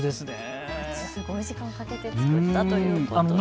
すごい時間をかけて作ったということで。